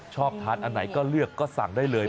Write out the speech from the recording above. ชอบทานอันไหนก็เลือกก็สั่งได้เลย